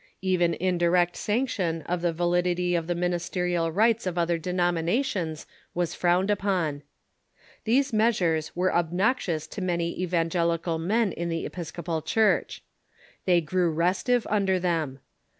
Even indirect sanction of the va lidity of the ministerial rights of other denominations was frowned upon. These measures were obnoxious to many evan gelical men in the Episcopal Church. They grew restive under them.